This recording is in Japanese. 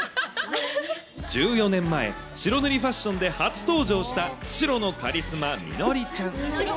１４年前、白塗りファッションで初登場した白のカリスマ、みのりちゃん。